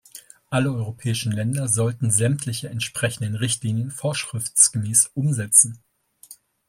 Alle europäischen Länder sollten sämtliche entsprechenden Richtlinien vorschriftsgemäß umsetzen.